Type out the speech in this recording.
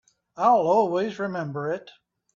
I'll always remember it.